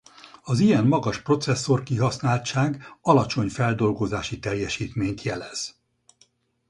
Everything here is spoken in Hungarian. Az ilyen magas processzorkihasználtság alacsony feldolgozási teljesítményt jelez.